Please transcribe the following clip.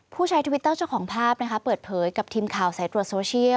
ใช้ทวิตเตอร์เจ้าของภาพนะคะเปิดเผยกับทีมข่าวสายตรวจโซเชียล